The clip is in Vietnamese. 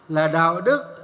là đạo đức